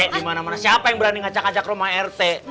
dimana mana siapa yang berani ngacak acak rumah rt